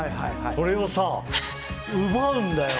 それをさ、奪うんだよ！